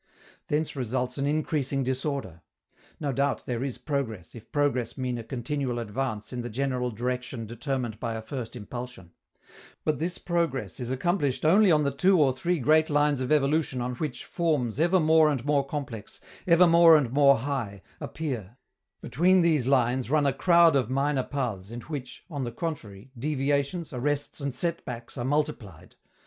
Thence results an increasing disorder. No doubt there is progress, if progress mean a continual advance in the general direction determined by a first impulsion; but this progress is accomplished only on the two or three great lines of evolution on which forms ever more and more complex, ever more and more high, appear; between these lines run a crowd of minor paths in which, on the contrary, deviations, arrests, and set backs, are multiplied.